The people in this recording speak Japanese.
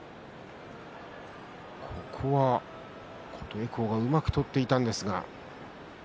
琴恵光がうまく取っていたんですが。